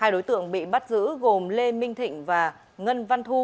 hai đối tượng bị bắt giữ gồm lê minh thịnh và ngân văn thu